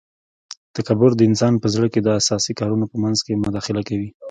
تکبر د انسان په ژوند کي د اساسي کارونو په منځ کي مداخله کوي